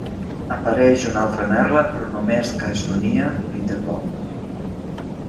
Apareix una altra merla però només Caesonia li té por.